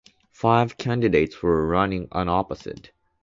Five candidates were running unopposed.